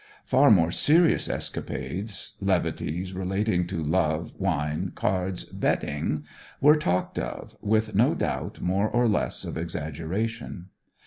Far more serious escapades levities relating to love, wine, cards, betting were talked of, with no doubt more or less of exaggeration.